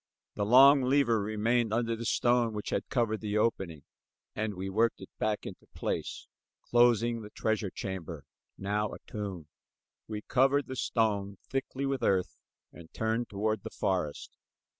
The long lever remained under the stone which had covered the opening, and we worked it back into place closing the treasure chamber, now a tomb. We covered the stone thickly with earth and turned toward the forest.